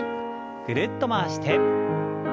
ぐるっと回して。